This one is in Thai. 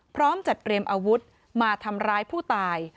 พร้อมจัดเตรียมอาวุธมาทำร้ายผู้ตาย